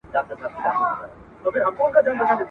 بیا به وینی چي رقیب وي له جنډۍ سره وتلی ..